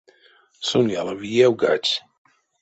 Сон яла виевгадсь.